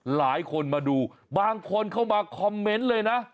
หลายคนมาดูบางคนเข้ามาคอมเมนต์เลยนะ